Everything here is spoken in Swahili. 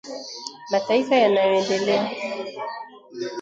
mataifa yanayoendelea